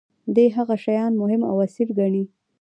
دي هغه شیان مهم او اصیل ګڼي.